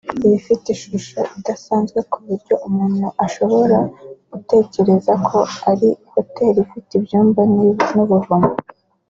Ibifite ishusho idasanzwe ku buryo umuntu adashobora gutekereza ko ari hoteli ifite ibyumba n’ ubuvumo